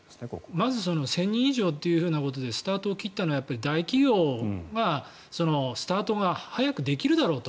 まず１０００人以上というところでスタートを切ったのは、大企業がスタートが早くできるだろうと。